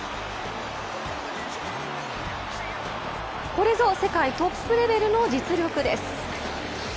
これぞ世界トップレベルの実力です。